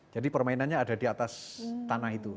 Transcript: jadi permainannya ada di atas tanah itu